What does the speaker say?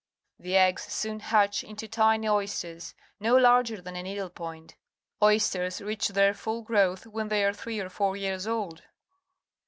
The eggs soon hatch into tiny oysters no larger than a needle point. Oysters reach their full growth when they are three or four years old.